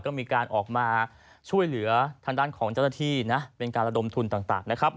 ก็มีการออกมาช่วยเหลือทางด้านของเจ้าหน้าที่นะเป็นการระดมทุนต่างนะครับ